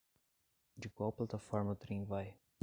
De qual plataforma o trem vai?